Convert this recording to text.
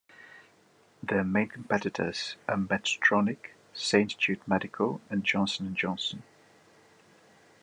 Their main competitors are Medtronic, Saint Jude Medical, and Johnson and Johnson.